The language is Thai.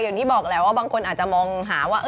อย่างที่บอกแหละว่าบางคนอาจจะมองหาว่า